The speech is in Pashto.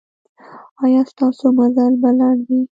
ایا ستاسو مزل به لنډ وي؟